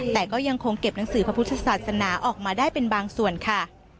แต่ก็ยังคงเก็บหนังสือพระพุทธศาสนาออกมาได้เป็นบางส่วนค่ะ